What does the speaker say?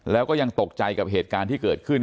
แล้วก็ยังตกใจกับเหตุการณ์ที่เกิดขึ้น